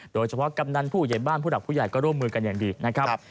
โดยเฉพาะกำหนังผู้เย็นบ้านผู้หลักผู้ใหญ่ก็ร่วมมือกันอย่างดีนะครับ